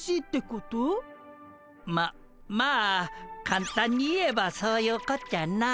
ままあかんたんに言えばそういうこっちゃな。